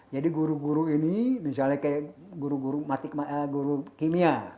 jadi guru guru ini misalnya kayak guru guru kimia